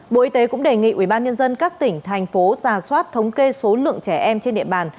bộ y tế cũng đề nghị ubnd các tỉnh thành phố giả soát thống kê số lượng trẻ em trên địa bàn